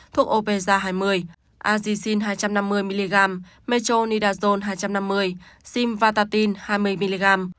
thuốc opeza hai mươi azicin hai trăm năm mươi mg metronidazone hai trăm năm mươi simvatatin hai mươi mg